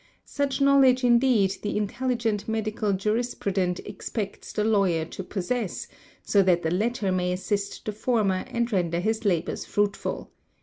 Such knowledge indeed the intelligent medical jurispruden expects the lawyer to possess, so that the latter may assist the forme and render his labours fruitful.